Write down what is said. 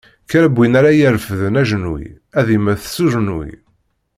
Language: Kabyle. Kra n win ara irefden ajenwi, ad immet s ujenwi.